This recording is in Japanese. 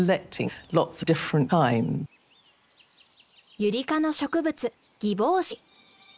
ユリ科の植物ギボウシ。